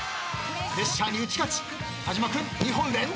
［プレッシャーに打ち勝ち田島君２本連続ゴールです］